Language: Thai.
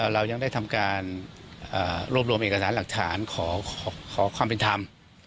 เรายังได้ทำการรวบรวมเอกสารหลักฐานขอความเป็นธรรม